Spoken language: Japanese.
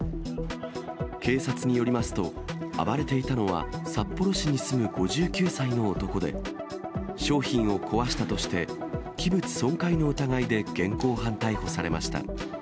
警察によりますと、暴れていたのは、札幌市に住む５９歳の男で、商品を壊したとして、器物損壊の疑いで現行犯逮捕されました。